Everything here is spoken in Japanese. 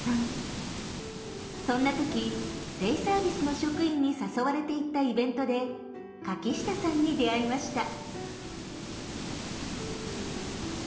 そんな時デイサービスの職員に誘われて行ったイベントで柿下さんに出会いました。